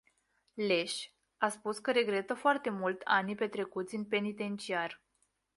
Lesch a spus că regretă foarte mult anii petrecuți în penitenciar.